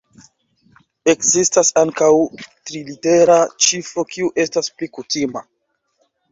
Ekzistas ankaŭ trilitera ĉifro kiu estas pli kutima.